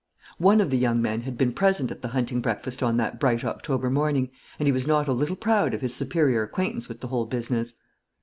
One of the young men had been present at the hunting breakfast on that bright October morning, and he was not a little proud of his superior acquaintance with the whole business.